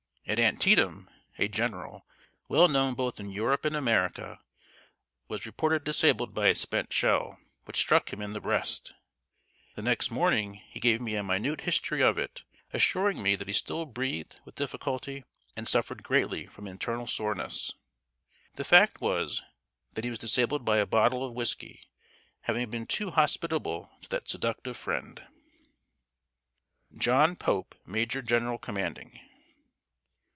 At Antietam, a general, well known both in Europe and America, was reported disabled by a spent shell, which struck him in the breast. The next morning, he gave me a minute history of it, assuring me that he still breathed with difficulty and suffered greatly from internal soreness. The fact was that he was disabled by a bottle of whisky, having been too hospitable to that seductive friend! [Sidenote: "JOHN POPE, MAJOR GENERAL COMMANDING."